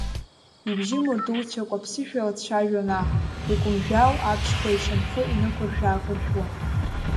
Ибжьы мырдуцәакуа ԥсышәала дцәажәон аҳ, икумжәы ау аԥшьқуа ишьамхы инықуршә-аақуршәуа.